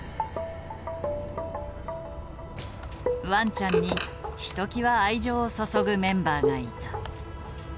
ワンちゃんにひときわ愛情を注ぐメンバーがいた。